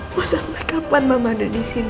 bu sampai kapan mama ada di sini